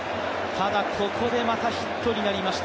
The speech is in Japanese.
ただここでまたヒットになりました。